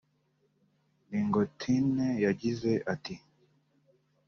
Ringotne yagize ati